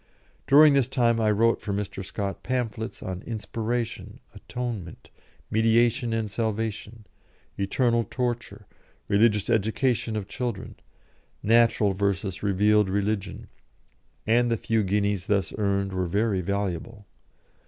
During this time I wrote for Mr. Scott pamphlets on Inspiration, Atonement, Mediation and Salvation, Eternal Torture, Religious Education of Children, Natural v. Revealed Religion, and the few guineas thus earned were very valuable.